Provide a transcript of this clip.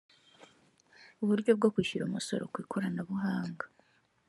uburyo bwo kwishyura umusoro kwikoranabuhanga